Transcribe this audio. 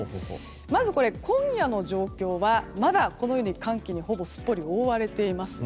まず、今夜の状況はまだこのように寒気にすっぽりと覆われています。